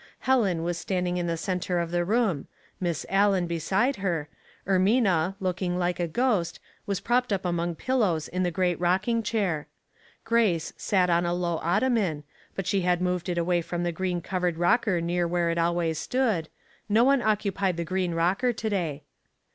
Helen was standing in the center of the room. Miss Allen beside her; Ermina, looking like a ghost, was propped up among pil lows in the great rocking chair ; Grace sat on a low ottoman, but she had moved it away from the green covered rocker near where it always stood — no one occupied the green rocker to day.